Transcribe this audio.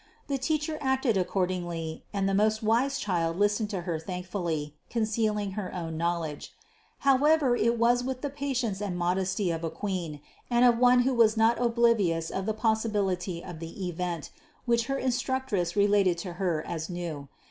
The teacher acted accordingly and the most wise Child listened to her thankfully, concealing her own knowledge. However it was with the patience and mod esty of a Queen, and of one who was not oblivious of the possibility of the event, which her instructress related to Her as new.